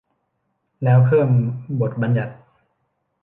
แล้วเพิ่มบทบัญญัติ